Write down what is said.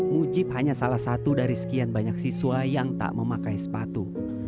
mujib hanya salah satu dari sekian banyak siswa yang tak memakai sepatu